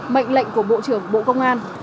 mệnh lệnh của bộ trưởng bộ công an